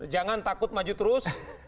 jangan takut maju terus